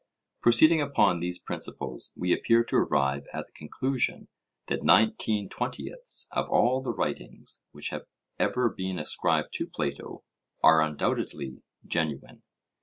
Proceeding upon these principles we appear to arrive at the conclusion that nineteen twentieths of all the writings which have ever been ascribed to Plato, are undoubtedly genuine.